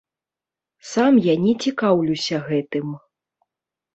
Сам я не цікаўлюся гэтым.